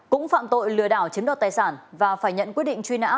cũng phạm tội lừa đảo chiếm đoạt tài sản và phải nhận quyết định truy nã